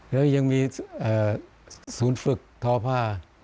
แล้วยังมีศูนย์ฝึกทอผ้า